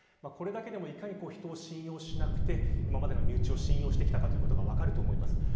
これだけでもいかに信用しなくて身内を信用してきたかということが分かると思います。